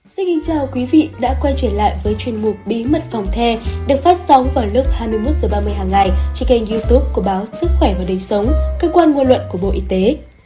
xin kính chào quý vị đã quay trở lại với chuyên mục bí mật phòng the được phát sóng vào lúc hai mươi một h ba mươi hàng ngày trên kênh youtube của báo sức khỏe và đời sống cơ quan ngôn luận của bộ y tế